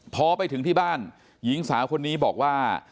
พอไปถึงที่บ้านหญิงสาวคนนี้บอกว่า